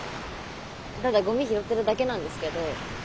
ただゴミ拾ってるだけなんですけど。